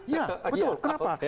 ya betul kenapa